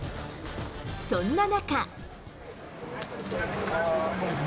そんな中。